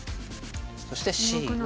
そしてＣが。